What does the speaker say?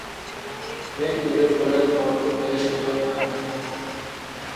– Men erim bilan ortiq yashayolmayman.